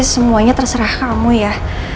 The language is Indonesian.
semuanya terserah kamu ya